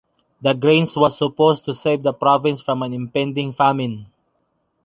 The grains was supposed to save the Provence from an impending famine.